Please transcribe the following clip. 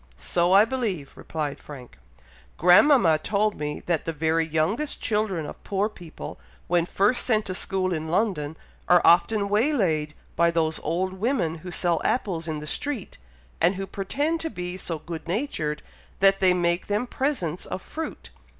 "So I believe," replied Frank. "Grandmama told me that the very youngest children of poor people, when first sent to school in London, are often waylaid by those old women who sell apples in the street, and who pretend to be so good natured that they make them presents of fruit.